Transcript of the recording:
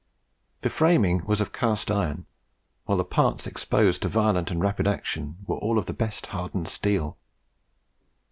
The framing was of cast iron, while the parts exposed to violent and rapid action were all of the best hardened steel.